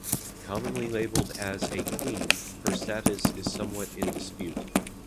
Commonly labeled as a "queen", her status is somewhat in dispute.